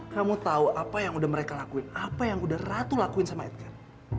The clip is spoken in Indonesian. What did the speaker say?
kamu tahu apa yang udah mereka lakuin apa yang udah ratu lakuin sama edgan